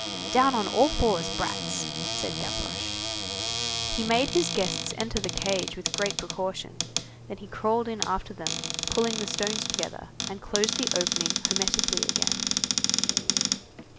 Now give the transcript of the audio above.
"Down on all fours, brats!" said Gavroche. He made his guests enter the cage with great precaution, then he crawled in after them, pulled the stones together, and closed the opening hermetically again.